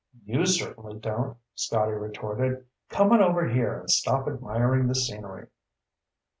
"You certainly don't," Scotty retorted. "Come on over here and stop admiring the scenery."